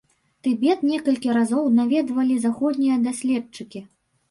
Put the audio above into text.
Тыбет некалькі разоў наведвалі заходнія даследчыкі.